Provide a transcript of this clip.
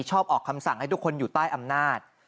ออกคำสั่งให้ทุกคนอยู่ใต้อำนาจ